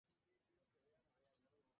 El otro acceso cercano era la puerta del Río.